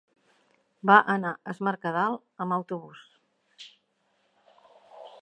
Va anar a Es Mercadal amb autobús.